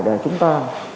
để chúng ta